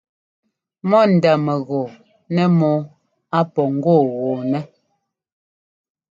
Mɔ ndá mɛgɔɔ nɛ mɔ́ɔ á pɔ́ ŋgɔɔgɔɔnɛ́.